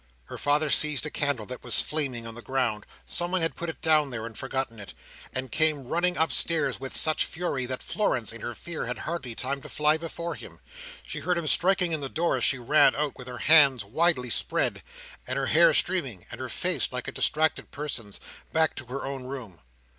Her father seized a candle that was flaming on the ground—someone had put it down there, and forgotten it—and came running upstairs with such fury, that Florence, in her fear, had hardly time to fly before him. She heard him striking in the door, as she ran on, with her hands widely spread, and her hair streaming, and her face like a distracted person's, back to her own room.